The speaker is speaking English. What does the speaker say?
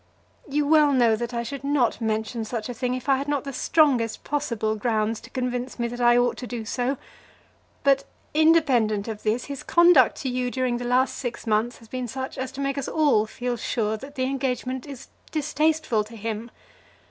You well know that I should not mention such a thing, if I had not the strongest possible grounds to convince me that I ought to do so. But, independent of this, his conduct to you during the last six months has been such as to make us all feel sure that the engagement is distasteful to him.